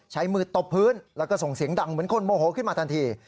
ใช้มือตบพื้นแล้วก็ส่งเสียงดังเหมือนคนโมโหขึ้นมาทันที